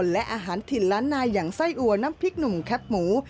และอาหารถิ่นล้านนายอย่างไส้อัวน้ำพริกหนุ่มแคปหมู